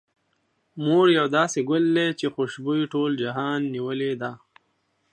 مور يو داسې ګل ده، چې خوشبو يې ټول جهان نيولې ده.